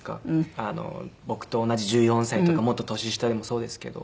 僕と同じ１４歳とかもっと年下でもそうですけど。